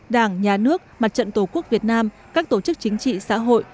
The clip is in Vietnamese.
đảng nhà nước mặt trận tổ quốc việt nam các tổ chức chính trị xã hội